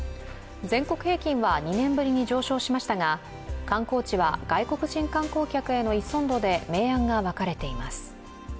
全国平均は２年ぶりに上昇しましたが観光地は外国人観光客への依存度で明暗が分かれています。